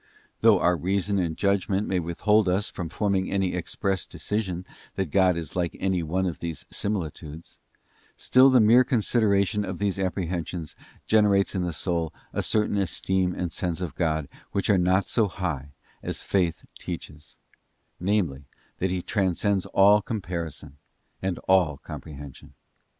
Though our Reason and Judgment may withhold us from forming any express decision that God is like any one of these similitudes; still the mere considera tion of these apprehensions generates in the soul a certain esteem and sense of God which are not so high as Faith teaches; namely, that He transcends all comparison and all comprehension.